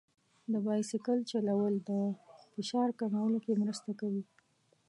د بایسکل چلول د فشار کمولو کې مرسته کوي.